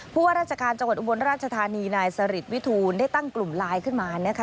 ว่าราชการจังหวัดอุบลราชธานีนายสริตวิทูลได้ตั้งกลุ่มไลน์ขึ้นมานะคะ